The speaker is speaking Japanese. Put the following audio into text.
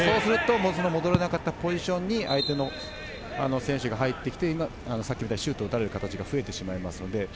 戻れなかったポジションに相手の選手が入ってきて、さっきのようにシュートを打たれる形が増えてきます。